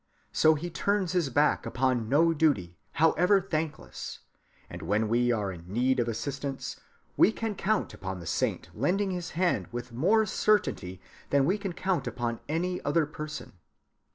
So he turns his back upon no duty, however thankless; and when we are in need of assistance, we can count upon the saint lending his hand with more certainty than we can count upon any other person.